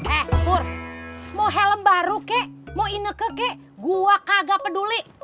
eh pur mau helm baru ke mau ini ke ke gua kagak peduli